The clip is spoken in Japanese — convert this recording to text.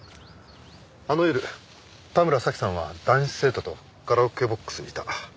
あの夜田村紗季さんは男子生徒とカラオケボックスにいた。